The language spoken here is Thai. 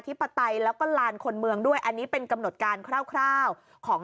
ปไตยแล้วก็ลานคนเมืองด้วยอันนี้เป็นกำหนดการคร่าวของ